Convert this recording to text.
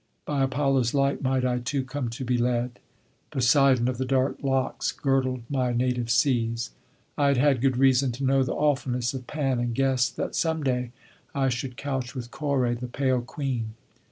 By Apollo's light might I too come to be led. Poseidon of the dark locks girdled my native seas. I had had good reason to know the awfulness of Pan, and guessed that some day I should couch with Koré the pale Queen.